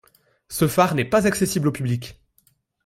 Ce phare n'est pas accessible au public.